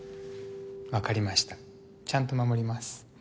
分かりましたちゃんと守ります